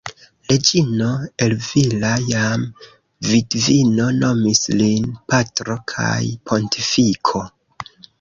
Reĝino Elvira, jam vidvino, nomis lin "patro kaj pontifiko".